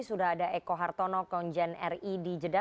sudah ada eko hartono konjen ri di jeddah